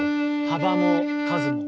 幅も数も。